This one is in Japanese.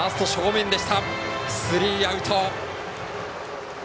スリーアウト。